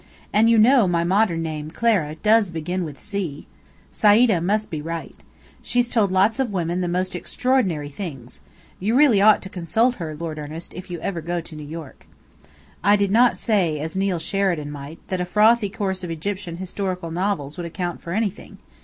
And you know my modern name, Clara, does begin with 'C.' Sayda must be right. She's told lots of women the most extraordinary things. You really ought to consult her, Lord Ernest, if you ever go to New York." I did not say, as Neill Sheridan might, that a frothy course of Egyptian historical novels would account for anything.